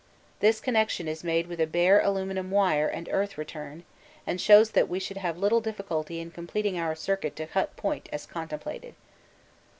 This last connection is made with a bare aluminium wire and earth return, and shows that we should have little difficulty in completing our circuit to Hut Point as is contemplated.